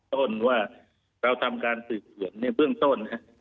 ต้นว่าเราทำการสามารถถือเสริมในเรื่องต้น